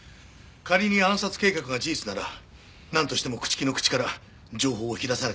仮に暗殺計画が事実ならなんとしても朽木の口から情報を引き出さなければならない。